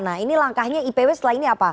nah ini langkahnya ipw setelah ini apa